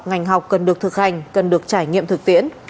ngành học cần được thực hành cần được trải nghiệm thực tiễn